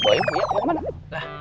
gue yang punya gue kemana